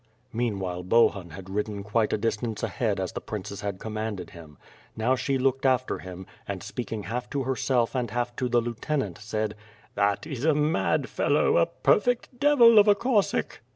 Meanwhile Bohun had ridden quite a distance ahead as the princess had commanded him. Now she looked after him, and speaking half to herself and half to the lieutenant, said: "That is a mad fellow, a perfect devil of a Cossack."